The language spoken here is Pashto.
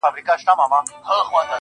o د لاسونو په پياله کې اوښکي راوړې.